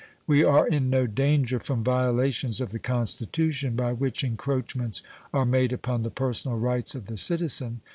We are in no danger from violations of the Constitution by which encroachments are made upon the personal rights of the citizen.